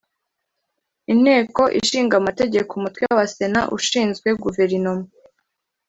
inteko ishinga amategeko umutwe wa sena ushinzwe guverinoma.